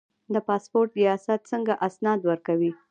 د پاسپورت ریاست څنګه اسناد ورکوي؟